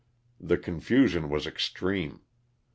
The confusion was extreme.